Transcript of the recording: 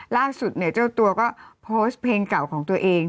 ล่าสุดเนี่ยเจ้าตัวก็โพสต์เพลงเก่าของตัวเอง